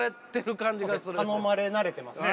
頼まれ慣れてますね。